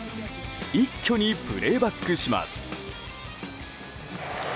一挙にプレーバックします。